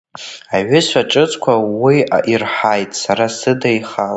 Аҩызцәа ҿыцқәа уи ирҳаит, сара сыда ихала!